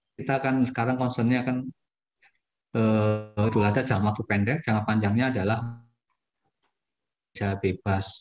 kita akan sekarang concernnya akan berulang dari jangka panjangnya adalah bebas